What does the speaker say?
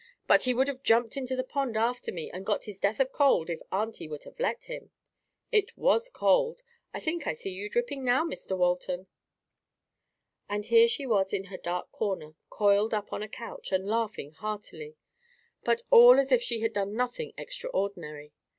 But he would have jumped into the pond after me and got his death of cold if auntie would have let him. It WAS cold. I think I see you dripping now, Mr Walton." There she was in her dark corner, coiled up on a couch, and laughing heartily; but all as if she had done nothing extraordinary.